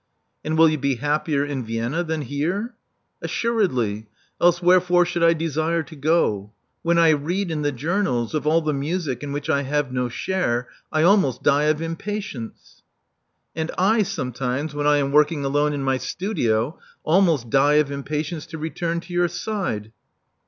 And will you be happier in Vienna than here?" Assuredly. Else wherefore should I desire to go? When I read in the journals of all the music in which I have no share, I almost die of impatience.*' And I sometimes, when I am working alone in my studio, almost die of impatience to return to your side.